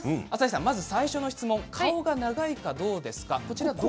最初の質問、顔が長いかどうですか。